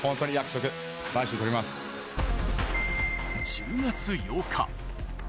１０月８日。